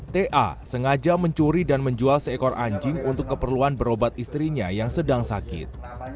ta sengaja mencuri dan menjual seekor anjing untuk keperluan berobat istrinya yang sedang sakit